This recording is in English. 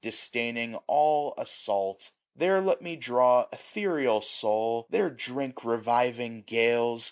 Disdaining all assault : there let me draw Ethereal soul; there drink reviving gales.